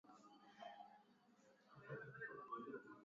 Anasonga ugali.